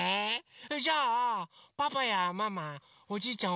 それじゃあパパやママおじいちゃん